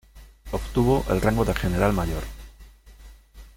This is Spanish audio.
Obtuvo el rango de general-mayor.